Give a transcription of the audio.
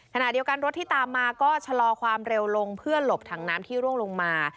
รถที่ตามมาก็ชะลอความเร็วลงเพื่อหลบถังน้ำที่ร่วงลงมา